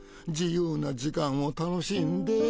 「自由な時間を楽しんで」